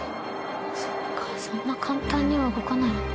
そっかそんな簡単には動かない。